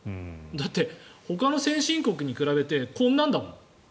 だってほかの先進国に比べてこんなんだもん。